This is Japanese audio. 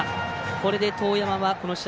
これで當山はこの試合